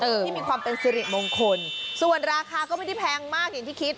ที่มีความเป็นสิริมงคลส่วนราคาก็ไม่ได้แพงมากอย่างที่คิด